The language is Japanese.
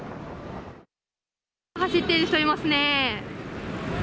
走っている人いますね。